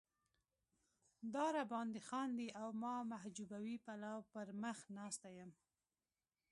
را باندې خاندي او ما محجوبوي پلو پر مخ ناسته یم.